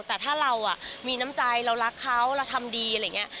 แต่ถ้าเรามีน้ำใจเรารักเขาเราทำดีอะไรอย่างนี้